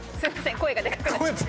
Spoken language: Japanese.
声がでかくなっちゃって。